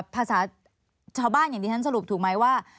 ภาษาชาวบ้านอย่างที่ฉันสรุปถูกไหมว่า